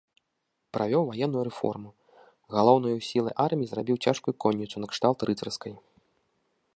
Правёў ваенную рэформу, галоўнаю сілай арміі зрабіў цяжкую конніцу накшталт рыцарскай.